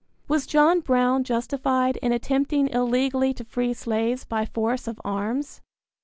Was John Brown justified in attempting illegally to free slaves by force of arms?